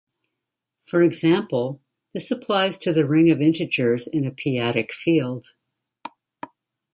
For example, this applies to the ring of integers in a p-adic field.